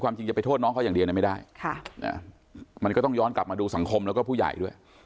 ก็อย่างเดียวนั้นไม่ได้มันก็ต้องย้อนกลับมาดูสังคมแล้วก็ผู้ใหญ่ด้วย